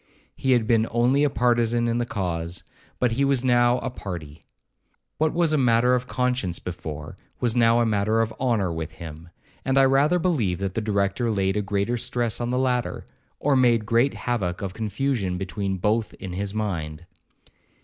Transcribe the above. He had been only a partizan in the cause, but he was now a party. What was a matter of conscience before, was now a matter of honour with him; and I rather believe that the Director laid a greater stress on the latter, or made a great havock of confusion between both in his mind.